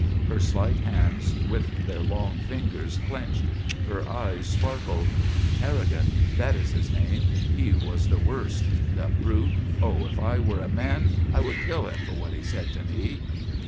Her slight hands with their long fingers clenched; her eyes sparkled. "Harrigan. That is his name. He was the worst. The brute! oh, if I were a man! I would kill him for what he said to me!"